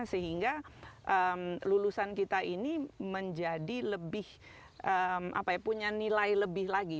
sehingga lulusan kita ini menjadi lebih punya nilai lebih lagi